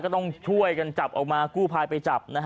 ต้องช่วยกันจับออกมากู้ภัยไปจับนะฮะ